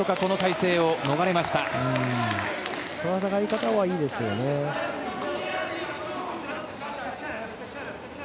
戦い方はいいですよね。